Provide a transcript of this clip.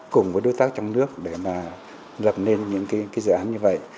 cùng với đối tác trong nước để mà lập nên những cái dự án như vậy